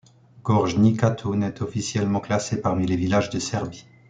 Gornji Katun est officiellement classé parmi les villages de Serbie.